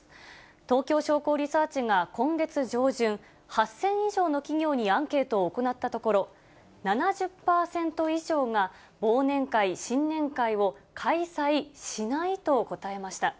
東京商工リサーチが、今月上旬、８０００以上の企業にアンケートを行ったところ、７０％以上が、忘年会、新年会を開催しないと答えました。